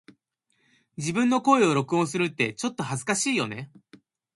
自分の声を録音するってちょっと恥ずかしいよね🫣